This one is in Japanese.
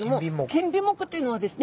剣尾目というのはですね